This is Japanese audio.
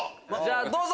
どうぞ！